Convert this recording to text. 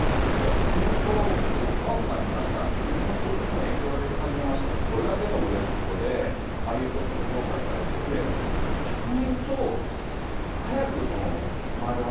逆に言うと、怖くなりました、自分の仕事にも影響が出始めましたと、これだけの売れっ子で、俳優としても評価されてて、逆に言うと、早くＳＭＩＬＥ